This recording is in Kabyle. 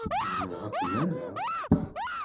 Zemreɣ ad tt-nnaleɣ?